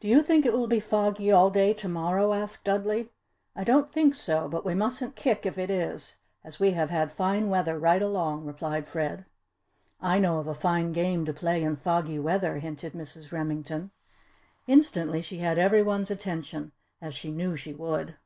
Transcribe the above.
"Do you think it will be foggy all day to morrow?" asked Dudley. "I don't think so, but we musn't kick if it is, as we have had fine weather right along," replied Fred. "I know of a fine game to play in foggy weather!" hinted Mrs. Remington. Instantly, she had every one's attention as she knew she would.